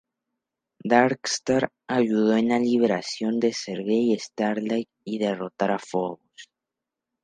Darkstar ayudó en la liberación de Sergei y Starlight, y derrotar a Fobos.